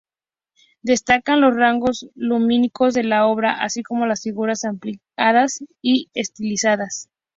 Destacan los rasgos lumínicos de la obra, así como las figuras ampliadas y estilizadas.